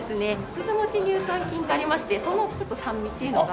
くず餅乳酸菌ってありましてそのちょっと酸味っていうのが。